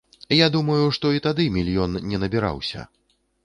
Я думаю, што і тады мільён не набіраўся.